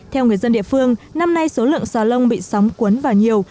theo người dân địa phương năm nay số lượng xà lông bị sóng cuốn vào nhiều